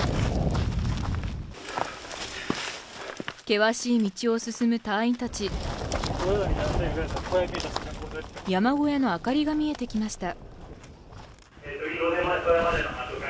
険しい道を進む隊員たち山小屋の明かりが見えてきました